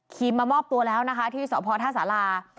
มามอบตัวแล้วนะคะที่สพท่าสารา